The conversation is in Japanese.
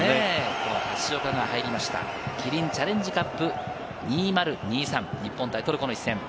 橋岡が入りましたキリンチャレンジカップ２０２３、日本対トルコの一戦。